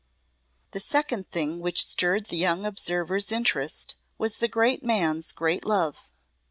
The second thing which stirred the young observer's interest was the great man's great love.